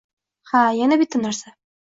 Ha, yana bitta narsa